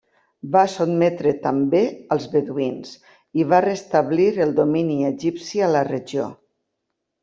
Va sotmetre també als beduïns i va restablir el domini egipci a la regió.